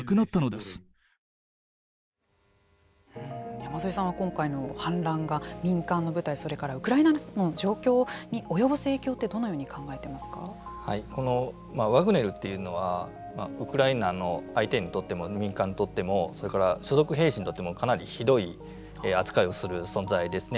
山添さんは今回の反乱が民間の部隊それからウクライナの状況に及ぼす影響はこのワグネルというのはウクライナの相手にとっても民間にとってもそれから所属兵士にとってもかなりひどい扱いをする存在ですね。